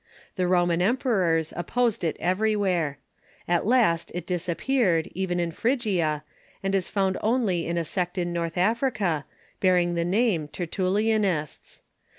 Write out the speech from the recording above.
The Roman em perors opposed it everywhere. At last it disappeared, even in Phrygia, and was found only in a sect in North Africa, bearing the name Tertullianists.